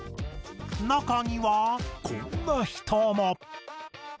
中にはこんな人も。